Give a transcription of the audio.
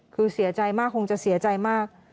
คือเสียใจมากคงจะเสียใจมาก